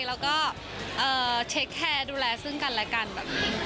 แล้วก็ดูแลซึ่งกันและกันแบบนี้